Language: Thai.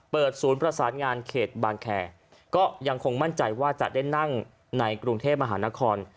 ศูนย์ประสานงานเขตบางแคร์ก็ยังคงมั่นใจว่าจะได้นั่งในกรุงเทพมหานคร